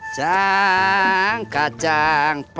jangan lupa like share dan subscribe